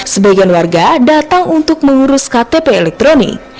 sebagian warga datang untuk mengurus ktp elektronik